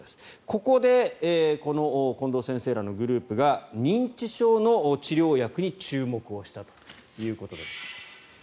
ここで近藤先生らのグループが認知症の治療薬に注目したということです。